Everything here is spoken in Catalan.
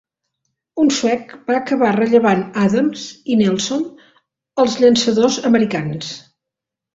Un suec va acabar rellevant Adams i Nelson, els llançadors americans.